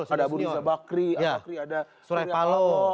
ada abu riza bakri ada surai paloh